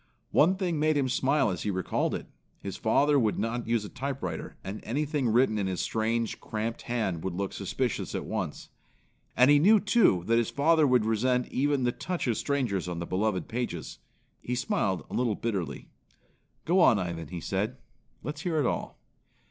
One thing made him smile as he recalled it. His father would not use a typewriter, and anything written in his strange, cramped hand would look suspicions at once. And he knew, too, that his father would resent even the touch of strangers on the beloved pages. He smiled a little bitterly. "Go on, Ivan," he said. "Let's hear it all."